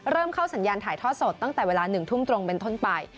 เริ่มเข้าสัญญาณถ่ายทอดสดตั้งแต่เวลา๑ทุ่มตรงเป็นต้นไป